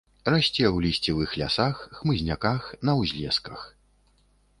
Расце ў лісцевых лясах, хмызняках, на ўзлесках.